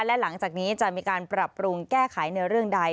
และหลังจากนี้จะมีการปรับปรุงแก้ไขในเรื่องใด